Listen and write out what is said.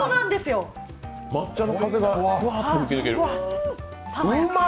抹茶の風がふわんと吹き抜けるうまっ。